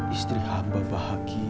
istri hamba bahagia